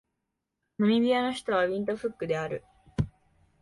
ナミビアの首都はウィントフックである